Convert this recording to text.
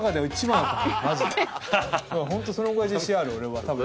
ホントそのぐらい自信ある俺は。